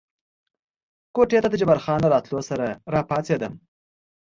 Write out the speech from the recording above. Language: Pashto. کوټې ته د جبار خان له را ننوتلو سره را پاڅېدم.